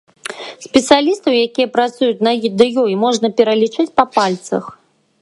Спецыялістаў, якія працуюць над ёй, можна пералічыць па пальцах.